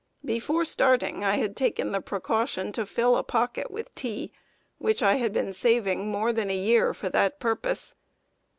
Before starting I had taken the precaution to fill a pocket with tea, which I had been saving more than a year for that purpose.